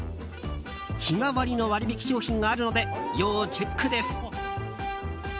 日替わりの割引商品があるので要チェックです。